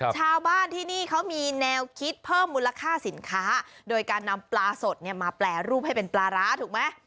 ชาวบ้านที่นี่เขามีแนวคิดเพิ่มมูลค่าสินค้าโดยการนำปลาสดเนี่ยมาแปรรูปให้เป็นปลาร้าถูกไหม